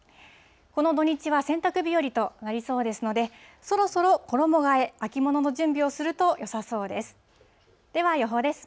この土日は洗濯日和となりそうですので、そろそろ衣がえ、秋物の準備をするとよさそうです。